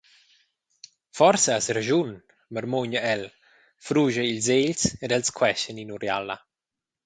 «Forsa has raschun», marmugna el, fruscha ils egls ed els queschan in’uriala.